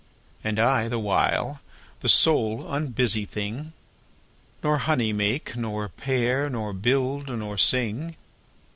And I, the while, the sole unbusy thing, 5 Nor honey make, nor pair, nor build, nor sing.